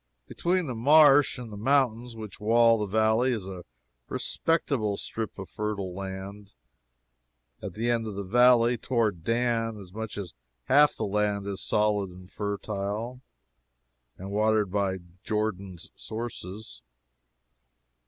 Between the marsh and the mountains which wall the valley is a respectable strip of fertile land; at the end of the valley, toward Dan, as much as half the land is solid and fertile, and watered by Jordan's sources.